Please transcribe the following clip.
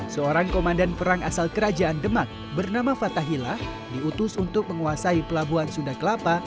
seorang komandan perang asal kerajaan demak bernama fathahillah diutus untuk menguasai pelabuhan sunda kelapa